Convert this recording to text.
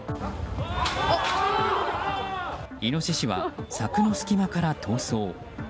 イノシシは柵の隙間から逃走。